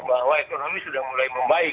bahwa ekonomi sudah mulai membaik